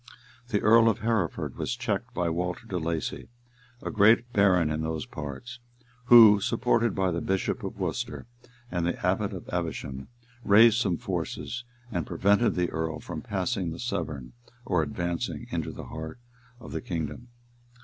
The Earl of Hereford was checked by Walter de Lacy, a great baron in those parts, who, supported by the bishop of Worcester and the abbot of Evesham, raised some forces, and prevented the earl from passing the Severn, or advancing into the heart of the kingdom.